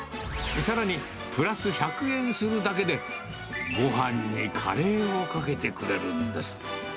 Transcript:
さらにプラス１００円するだけで、ごはんにカレーをかけてくれるんです。